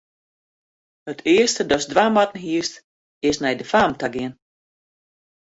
It earste datst dwaan moatten hiest, is nei de faam ta gean.